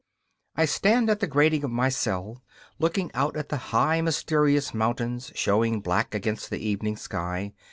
I stand at the grating of my cell, looking out at the high, mysterious mountains showing black against the evening sky.